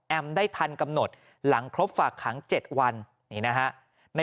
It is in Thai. แอมได้ทันกำหนดหลังครบฝากขัง๗วัน